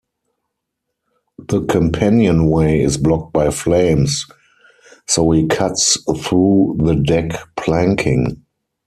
The companionway is blocked by flames, so he cuts through the deck planking.